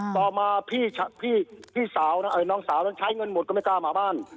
ต่อมาพี่สาวนะน้องสาวนั้นใช้เงินหมดก็ไม่กล้ามาบ้าน